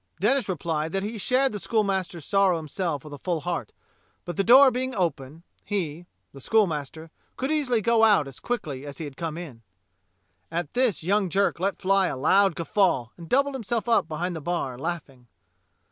Denis replied that he shared the schoolmaster's sorrow himself with a full heart, but the door being open, he — the schoolmaster — could easily go out as quickly as he had come in. At this young Jerk let fly a loud guffaw and doubled himself up behind the bar, laughing.